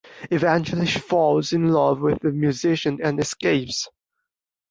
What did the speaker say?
Eventually she falls in love with the musician and escapes.